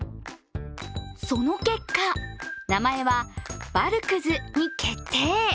その結果、名前はバルクズに決定。